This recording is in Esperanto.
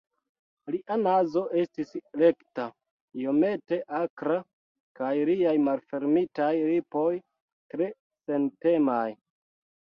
Lia nazo estis rekta, iomete akra kaj liaj malfermitaj lipoj tre sentemaj.